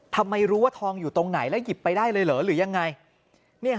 ไม่รู้ว่าทองอยู่ตรงไหนแล้วหยิบไปได้เลยเหรอหรือยังไง